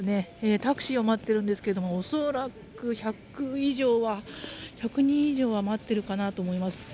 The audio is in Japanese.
タクシーを待っているんですけどおそらく１００以上は１００人以上は待っているかなと思います。